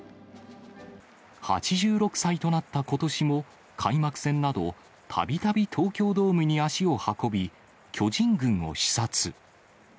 ８６歳となったことしも、開幕戦など、たびたび東京ドームに足を運び、巨人軍を視察。